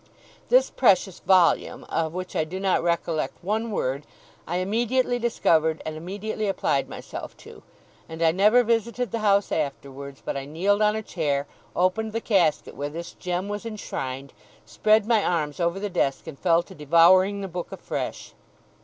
This precious volume, of which I do not recollect one word, I immediately discovered and immediately applied myself to; and I never visited the house afterwards, but I kneeled on a chair, opened the casket where this gem was enshrined, spread my arms over the desk, and fell to devouring the book afresh.